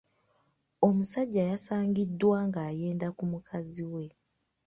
Omusajja yasangiddwa ng'ayenda ku mukazi we.